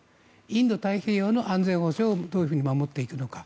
インド太平洋の安全保障をどう守っていくのか。